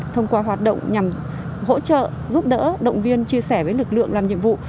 thông qua hoạt động nhằm hỗ trợ giúp đỡ động viên chia sẻ với lực lượng làm nhiệm vụ